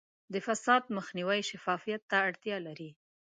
د فساد مخنیوی شفافیت ته اړتیا لري.